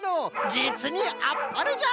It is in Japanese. じつにあっぱれじゃ！